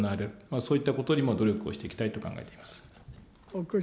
そういったことにも努力をしていきたいと考えています。